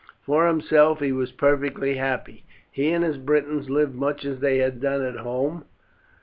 For himself he was perfectly happy. He and his Britons lived much as they had done at home.